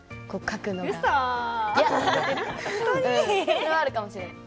それはあるかもしれない。